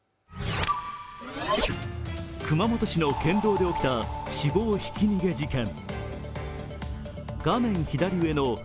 熊本市の県道で起きた死亡ひき逃げ事件。